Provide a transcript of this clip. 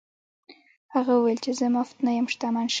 هغه وویل چې زه مفت نه یم شتمن شوی.